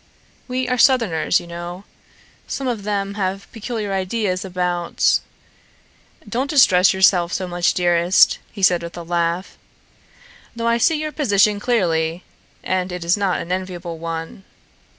We are southerners, you know. Some of them have peculiar ideas about " "Don't distress yourself so much, dearest," he said with a laugh. "Though I see your position clearly and it is not an enviable one."